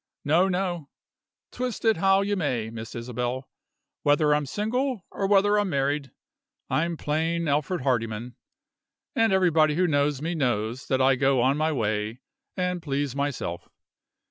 No, no. Twist it how you may, Miss Isabel, whether I'm single or whether I'm married, I'm plain Alfred Hardyman; and everybody who knows me knows that I go on my way, and please myself.